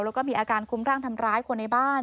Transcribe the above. และมีอาการคุ้มกล้างทำร้ายคนในบ้าน